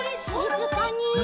しずかに。